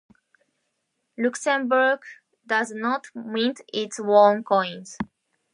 Luxembourg does not mint its own coins.